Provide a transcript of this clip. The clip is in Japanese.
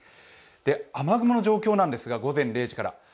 雨雲の状況なんですが、午前０時から。